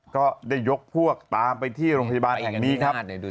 ก็ได้ยกพวกตามไปที่โรงพยาบาลแห่งนี้ครับ